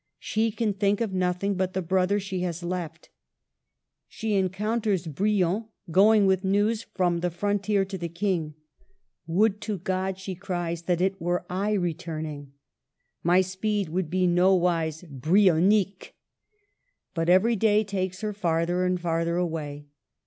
She can think of nothing but the brother she has left. She encounters Brion, going with news from the frontier to the King. '* Would to God," she cries, " that it were I returning ! My speed would be nowise Brionnicque." But every day takes her farther and farther away.